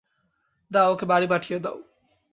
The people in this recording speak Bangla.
দাও ওকে বাড়ি পাঠিয়ে দাও।